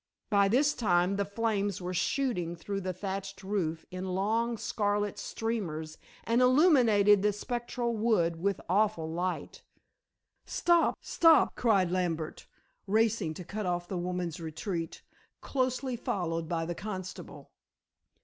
By this time the flames were shooting through the thatched roof in long scarlet streamers and illuminated the spectral wood with awful light. "Stop! stop!" cried Lambert, racing to cut off the woman's retreat, closely followed by the constable.